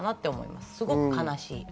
すごく悲しい。